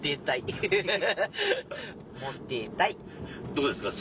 どうですか？